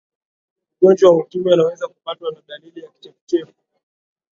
mgonjwa wa ukimwi anaweza kupatwa na dalili ya kichefuchefu